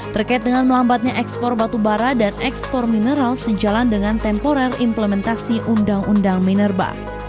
terkait dengan melambatnya ekspor batubara dan ekspor mineral sejalan dengan temporer implementasi undang undang minerba